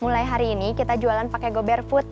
mulai hari ini kita jualan pakai gober food